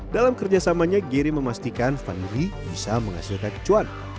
dalam kerjasamanya geri memastikan vanili bisa menghasilkan kecuan